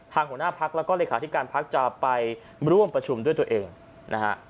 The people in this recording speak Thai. ทางหัวหน้าภักดิ์และเลขาคิการภักดิ์จะไปร่วมประชุมด้วยตัวเองนะฮะ